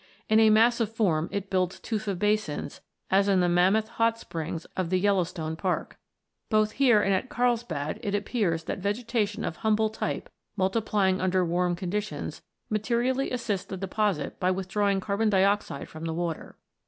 In a massive form, it builds tufa basins, as in the Mammoth Hot Springs of the Yellowstone Park. Both here and at Karlsbad, it appears that vegetation of humble type, multiplying under warm conditions, materially assists the deposit by with drawing carbon dioxide from the water.